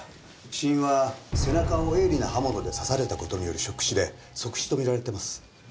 死因は背中を鋭利な刃物で刺された事によるショック死で即死と見られています。